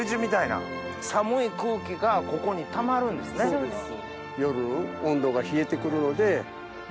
そうです。